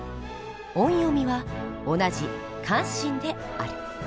音読みは同じ「カンシン」である。